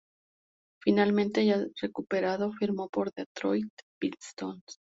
Finalmente, ya recuperado, firmó por Detroit Pistons.